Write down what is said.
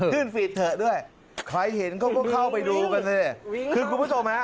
ฟีดเถอะด้วยใครเห็นเขาก็เข้าไปดูกันสิคือคุณผู้ชมฮะ